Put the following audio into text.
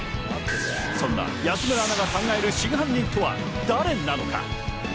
そんな安村アナが考える真犯人とは誰なのか？